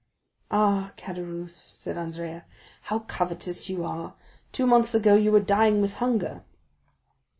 "Ah, Caderousse," said Andrea, "how covetous you are! Two months ago you were dying with hunger."